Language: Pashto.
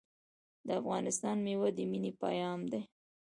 د افغانستان میوه د مینې پیغام دی.